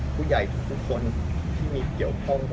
ผู้ใหญ่ทุกคนที่มีเกี่ยวข้อง